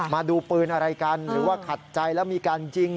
มาดูปืนอะไรกันหรือว่าขัดใจแล้วมีการยิง